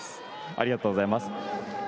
ありがとうございます。